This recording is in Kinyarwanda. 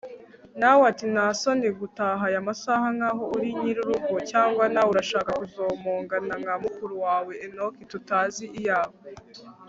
nawe ati ntasoni gutaha aya masaha nkaho uri nyirurugo, cyangwa nawe urashaka kuzomongana nka mukuru wawe enock tutazi iyaba!